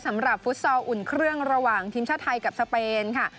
ฟุตซอลอุ่นเครื่องระหว่างทีมชาติไทยกับสเปนค่ะ